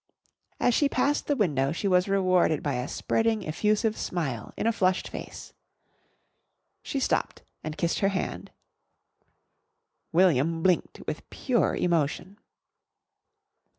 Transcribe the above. As she passed the window she was rewarded by a spreading effusive smile in a flushed face. She stopped and kissed her hand. William blinked with pure emotion.